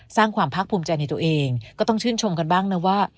สร้างความภาคภูมิใจในตัวเองก็ต้องชื่นชมกันบ้างนะว่า